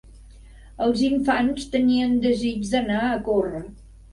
Els infants tenien desig d'anar a corre.